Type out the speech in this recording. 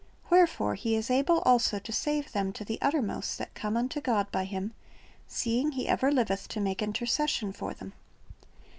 "Wherefore He is able also to save them to the uttermost that come unto God by Him, seeing He ever liveth to make intercession for them."'